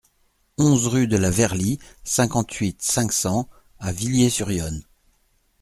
onze rue de la Verly, cinquante-huit, cinq cents à Villiers-sur-Yonne